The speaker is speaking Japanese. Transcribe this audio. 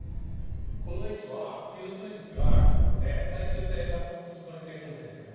この石は吸水率が低くて耐久性がすごく優れてるんですよね。